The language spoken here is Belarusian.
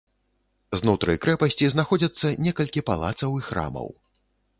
Знутры крэпасці знаходзяцца некалькі палацаў і храмаў.